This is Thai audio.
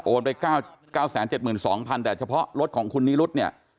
โอนไป๙๗๒๐๐๐บาทแต่เฉพาะรถของคุณนิรุธ